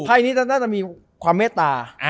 นี้น่าจะมีความเมตตา